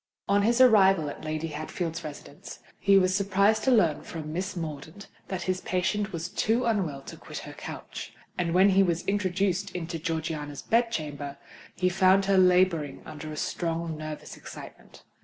On his arrival at Lady Hatfield's residence, he was surprised to learn from Miss Mordaunt that his patient was too unwell to quit her couch; and when he was introduced into Georgiana's bed chamber, he found her labouring under a strong nervous excitement.